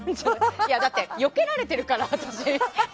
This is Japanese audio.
だって、よけられてるから、私。